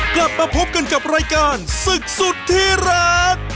กลับมาพบกันกับรายการศึกสุดที่รัก